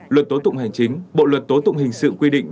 luật tố tụng hành chính bộ luật tố tụng hình sự quy định